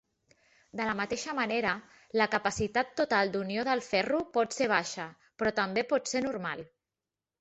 De la mateixa manera, la capacitat total d"unió del ferro por ser baixa, però també pot ser normal.